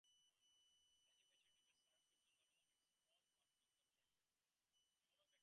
Any mature debate circuit will develop its own customs and practices.